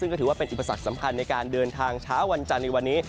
ซึ่งก็ถือว่าเป็นอุปสรรคสำคัญในการเดินทางเช้าวันจันทร์ในวันนี้